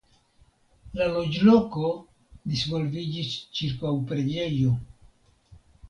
La loĝloko disvolviĝis ĉirkaŭ preĝejo.